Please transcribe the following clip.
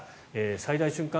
最大瞬間